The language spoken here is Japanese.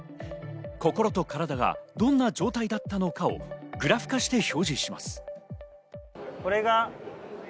心と体がどんな状態だったのかをグラフ化して表示します。